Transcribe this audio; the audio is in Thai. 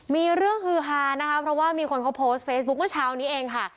มีเรื่องฮือฮานะคะเพราะว่ามีคนเขาโพสต์เฟซบุ๊คเมื่อเช้านี้เองค่ะ